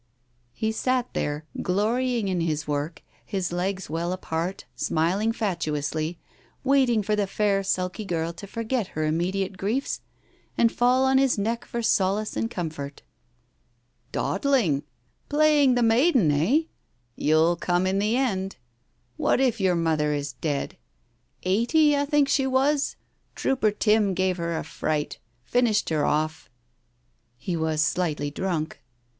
He sat there, glorying in his work, his legs well apart, smiling fatuously, waiting for the fair sulky girl to forget her immediate griefs and fall on his neck for solace and comfort. " Dawdling 1 Playing the maiden, eh? You'll come in the end. What if your mother is dead? Eighty, I think she was? Trooper Tim gave her a fright. Finished her off. ..." He was slightly drunk.